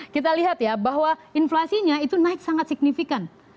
kita lihat ya bahwa inflasinya itu naik sangat signifikan